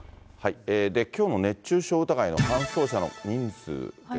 で、きょうの熱中症疑いの搬送者の人数ですが。